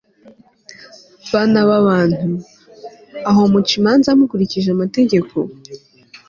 bana b'abantu, aho muca imanza mukurikije amategeko